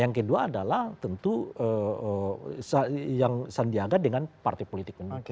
yang kedua adalah tentu yang sandiaga dengan partai politik pendukung